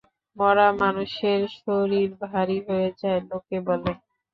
মরা মানুষের শরীর ভারি হয়ে যায়, লোকে বলে!